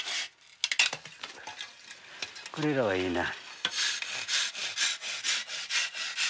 これらはいいな。